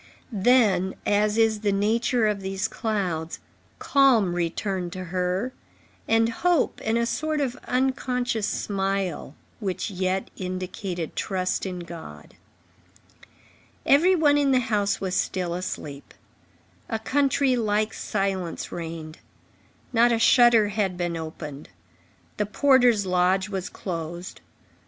Then, as is the nature of these clouds, calm returned to her, and hope and a sort of unconscious smile, which yet indicated trust in God. Every one in the house was still asleep. A country like silence reigned. Not a shutter had been opened. The porter's lodge was closed.